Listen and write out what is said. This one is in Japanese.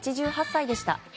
８８歳でした。